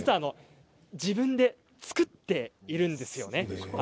自分で作っているんです。